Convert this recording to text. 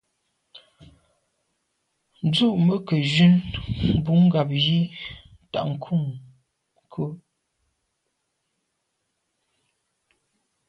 Ndù me ke jun mbumngab yi t’a kum nkù.